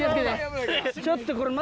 ちょっとこれ。